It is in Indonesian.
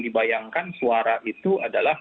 dibayangkan suara itu adalah